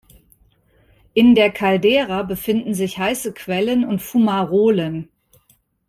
In der Caldera befinden sich heiße Quellen und Fumarolen.